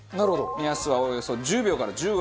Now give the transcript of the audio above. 目安はおよそ１０秒から１５秒。